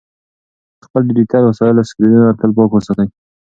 تاسو د خپلو ډیجیټل وسایلو سکرینونه تل پاک ساتئ.